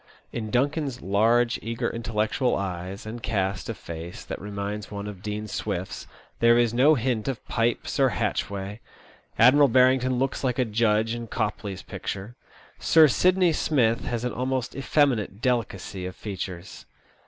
In Duncan's large, eager, intellectual eyes and cast of face, that reminds one of Dean Swift's, there is no hint of Pipes or Hatchway. Admiral Barrington looks like a judge in Copley's picture. Sir Sidney Smith has an almost effeminate delicacy of features.